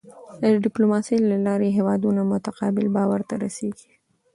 د ډیپلوماسی له لارې هېوادونه متقابل باور ته رسېږي.